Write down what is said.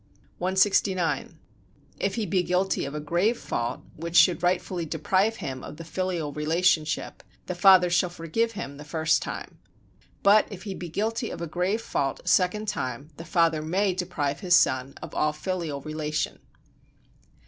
169. If he be guilty of a grave fault, which should rightfully deprive him of the filial relationship, the father shall forgive him the first time; but if he be guilty of a grave fault a second time the father may deprive his son of all filial relation.